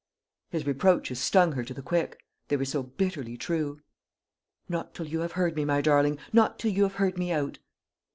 His reproaches stung her to the quick; they were so bitterly true. "Not till you have heard me, my darling not till you have heard me out."